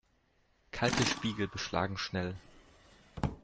Kalte Spiegel beschlagen schnell.